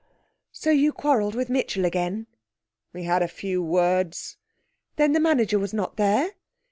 'So you quarrelled with Mitchell again?' 'We had a few words.' 'Then the manager was not there?'